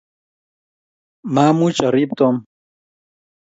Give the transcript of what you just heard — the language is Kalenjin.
maamuch arib Tom.